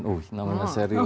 uy namanya serius